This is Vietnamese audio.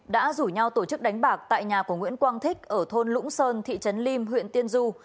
đã rủ nhau tổ chức đánh bạc tại nhà của nguyễn quang thích ở thôn lũng sơn thị trấn lim huyện tiên du